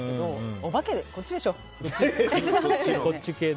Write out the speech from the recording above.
お化けこっちでしょ？